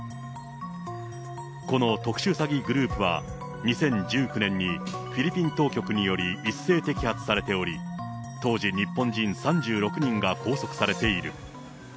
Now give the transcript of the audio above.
この特殊詐欺グループは、２０１９年にフィリピン当局により一斉摘発されており、当時、日本人３６人が拘束されている。